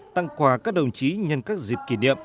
tặng quà các đồng chí nhân các dịp kỷ niệm